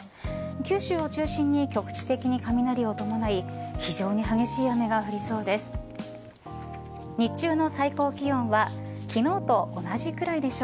九州を中心に局地的に雷を伴い非常に激しい雨が降りそうです。